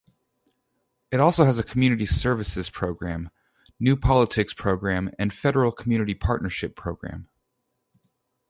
It also has a Community Services Program, New Politics Program, and Federal-Community Partnership Program.